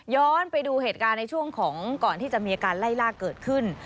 ไปดูเหตุการณ์ในช่วงของก่อนที่จะมีอาการไล่ลากเกิดขึ้น